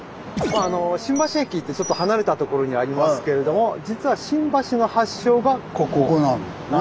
新橋駅ってちょっと離れたところにありますけれども実はここなんだね。